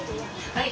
はい。